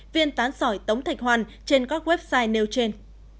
viên tán sỏi tống thạch hoàn trên các website nêu trên